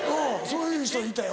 そういう。